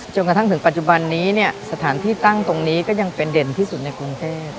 กระทั่งถึงปัจจุบันนี้เนี่ยสถานที่ตั้งตรงนี้ก็ยังเป็นเด่นที่สุดในกรุงเทพ